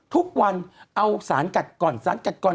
คุณหนุ่มกัญชัยได้เล่าใหญ่ใจความไปสักส่วนใหญ่แล้ว